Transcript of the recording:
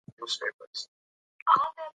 هغه میندو چې درس ویلی، ماشومان یې روغ دي.